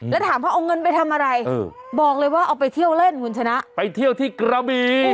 แล้วถามว่าเอาเงินไปทำอะไรบอกเลยว่าเอาไปเที่ยวเล่นคุณชนะไปเที่ยวที่กระบี